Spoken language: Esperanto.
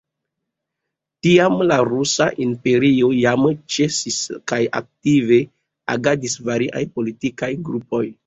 Tiam la Rusa Imperio jam ĉesis kaj aktive agadis variaj politikaj grupoj.